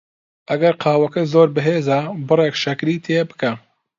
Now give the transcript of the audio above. ئەگەر قاوەکەت زۆر بەهێزە، بڕێک شەکری تێ بکە.